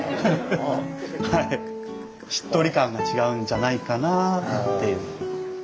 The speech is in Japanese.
しっとり感が違うんじゃないかなっていう。